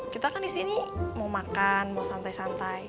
kita kan di sini mau makan mau santai santai